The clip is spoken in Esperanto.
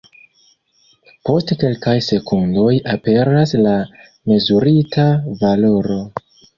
Post kelkaj sekundoj aperas la mezurita valoro.